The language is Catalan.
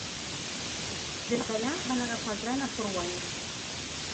Des d'allà, van agafar el tren a Fort Wayne.